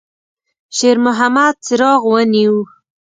شېرمحمد څراغ ونیوه.